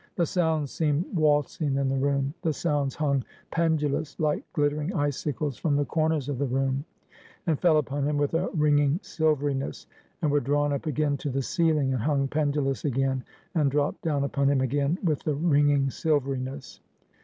The sounds seemed waltzing in the room; the sounds hung pendulous like glittering icicles from the corners of the room; and fell upon him with a ringing silveryness; and were drawn up again to the ceiling, and hung pendulous again, and dropt down upon him again with the ringing silveryness.